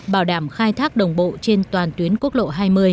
bảo đảm khai thác đồng bộ trên toàn tuyến quốc lộ hai mươi